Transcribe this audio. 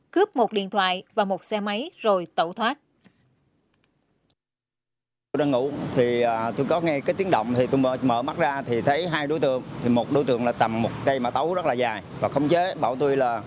cướp một điện thoại và một xe máy rồi tẩu thoát